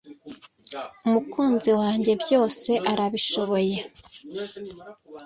Umukunzi wanjye byose arabishoboye